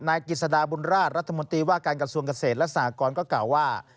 นายกิจสดาบุญราชรัฐมนตรีว่าการกระทรวงเกษตรและสหกรก็กล่าวว่า